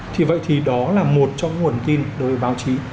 thì vậy thì đó là một trong những nguồn tin đối với báo chí